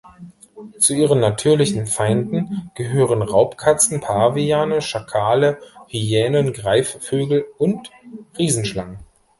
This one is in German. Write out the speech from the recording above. Zu ihren natürlichen Feinden gehören Raubkatzen, Paviane, Schakale, Hyänen, Greifvögel und Riesenschlangen.